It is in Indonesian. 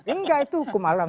enggak itu hukum alam